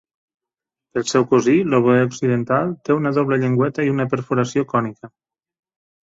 El seu cosí, l'oboè occidental, té una doble llengüeta i una perforació cònica.